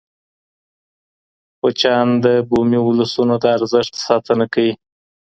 کوچیان د بومي ولسونو د ارزښت ساتنه کوي.